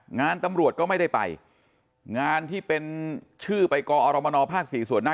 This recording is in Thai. งานตำรวจก็ไม่ได้ไปงานที่เป็นชื่อไปกอรมนภาค๔ส่วนหน้า